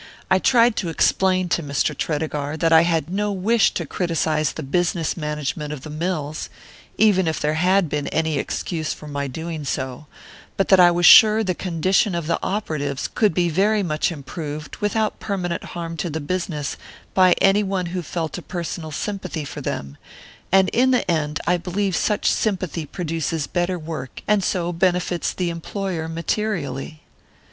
"I tried to explain to Mr. Tredegar that I had no wish to criticise the business management of the mills even if there had been any excuse for my doing so but that I was sure the condition of the operatives could be very much improved, without permanent harm to the business, by any one who felt a personal sympathy for them; and in the end I believe such sympathy produces better work, and so benefits the employer materially."